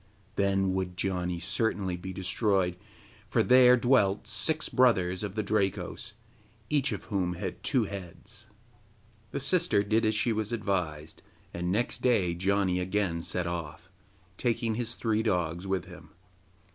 Then would Janni certainly be destroyed, for there dwelt six brothers of the Drakos, each of whom had two heads. The sister did as she was advised, and next day Janni again set off, taking his three dogs with him.